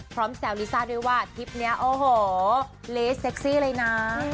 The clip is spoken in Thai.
พร้อมแซวลิซ่าด้วยว่าทริปนี้โอ้โหลิซ่าเซสซี่เลยนะ